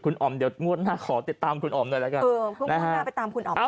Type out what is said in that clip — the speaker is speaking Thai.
คุณอ๋อมเดี๋ยวงวดหน้าขอติดตามคุณอ๋อมหน่อยล่ะ